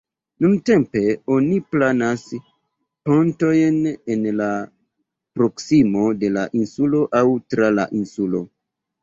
Nuntempe oni planas pontojn en la proksimo de la insulo aŭ tra la insulo.